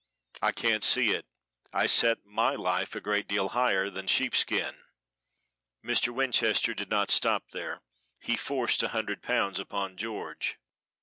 "I can't see it; I set my life a great deal higher than sheepskin." Mr. Winchester did not stop there, he forced a hundred pounds upon George.